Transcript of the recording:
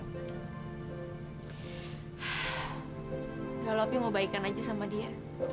kalau opi mau baikan aja sama dia